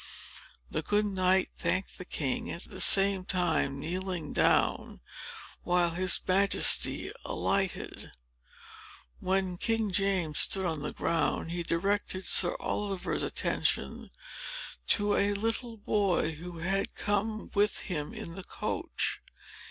The good knight thanked the king, at the same time kneeling down, while his Majesty alighted. When King James stood on the ground, he directed Sir Oliver's attention to a little boy, who had come with him in the coach.